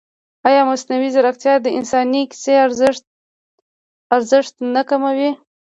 ایا مصنوعي ځیرکتیا د انساني کیسې ارزښت نه کموي؟